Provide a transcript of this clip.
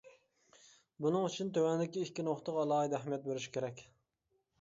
بۇنىڭ ئۈچۈن تۆۋەندىكى ئىككى نۇقتىغا ئالاھىدە ئەھمىيەت بېرىش كېرەك.